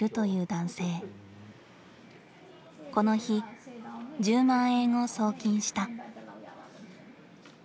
この日１０万円を送金した。